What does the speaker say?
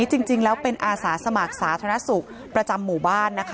จริงแล้วเป็นอาสาสมัครสาธารณสุขประจำหมู่บ้านนะคะ